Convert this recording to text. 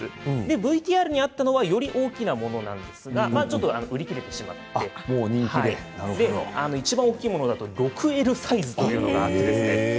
ＶＴＲにあったより大きなものなんですが売り切れてしまっていちばん大きなものだと６Ｌサイズというのがあるんですね。